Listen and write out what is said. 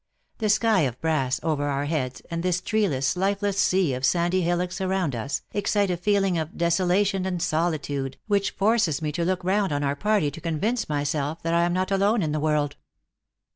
The sky of brass over our heads, and this treeless, lifeless sea of sandy hillocks around us, excite a feeling of desolation and solitude, which forces me to look round on our par ty to convince myself that I am not alone in the world."